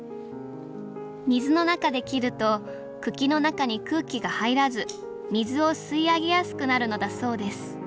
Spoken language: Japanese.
水の中で切ると茎の中に空気が入らず水を吸い上げやすくなるのだそうです。